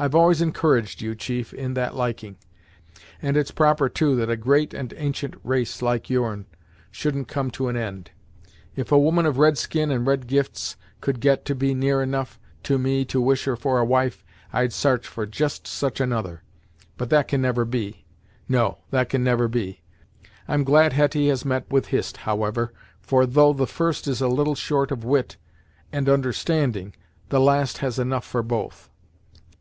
I've always encouraged you, chief, in that liking, and it's proper, too, that a great and ancient race like your'n shouldn't come to an end. If a woman of red skin and red gifts could get to be near enough to me to wish her for a wife, I'd s'arch for just such another, but that can never be; no, that can never be. I'm glad Hetty has met with Hist, howsever, for though the first is a little short of wit and understanding, the last has enough for both.